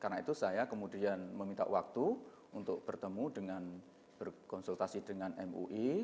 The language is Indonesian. karena itu saya kemudian meminta waktu untuk bertemu dengan berkonsultasi dengan mui